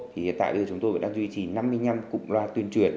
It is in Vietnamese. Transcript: hiện tại chúng tôi đang duy trì năm mươi năm cụm loa tuyên truyền